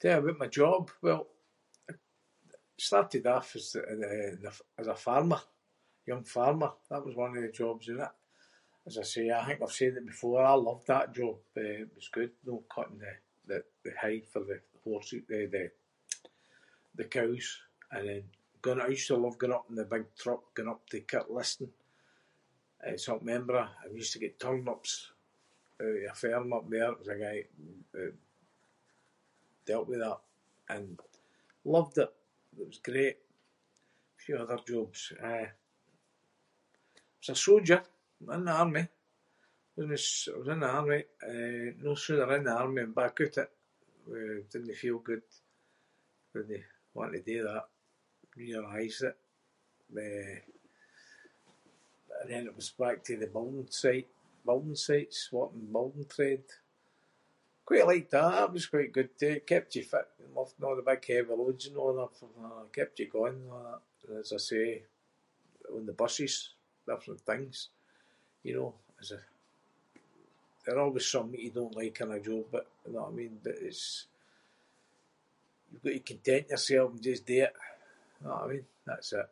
Tell you aboot my job? Well, I started off as, eh, the- as a farmer- young farmer. That was one of the jobs and that as I say- I think I’ve said it before, I loved that job, eh, it was good, know, cutting the- the hay for the horse- eh, the- the cows and then going- I used to love going up in the big truck going up to Kirkliston. It’s up in Edinburgh and we used to get turnips out of a farm up there – it was a guy that dealt with that and loved it. It was great. Few other jobs, eh- I was a soldier in the army, wasnae- I was in the army, eh, no sooner in the army than back oot it with- didnae feel good. Didnae want to do that. Realised it, eh, and then it was back to the building site- building sites working building trade. Quite liked that, that was quite good too. It kept you fit, you know, lifting a’ the big heavy loads and a’ that [inc] kept you going and a' that and as I say on the buses, different things, you know, as a- there always something you don’t like in a job, but you know what I mean, it’s- you've got to content yourself and just do it, know what I mean? That’s it.